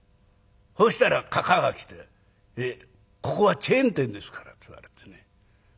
そしたらかかあが来て「ここはチェーン店ですから」って言われてね。